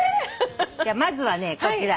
じゃあまずはねこちら。